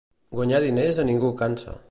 Guanyar diners a ningú cansa.